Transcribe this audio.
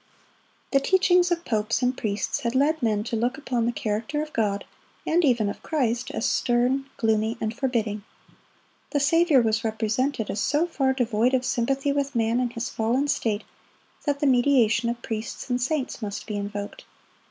The teachings of popes and priests had led men to look upon the character of God, and even of Christ, as stern, gloomy, and forbidding. The Saviour was represented as so far devoid of sympathy with man in his fallen state that the mediation of priests and saints must be invoked.